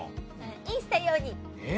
インスタ用にえっ？